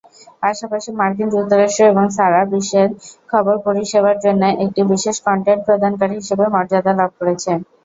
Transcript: পাশাপাশি মার্কিন যুক্তরাষ্ট্র এবং সারা বিশ্বের খবর পরিষেবার জন্য একটি বিশেষ কন্টেন্ট প্রদানকারী হিসেবে মর্যাদা লাভ করেছে।